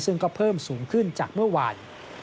ซึ่งก็เพิ่มสูงขึ้นจากเมื่อวาน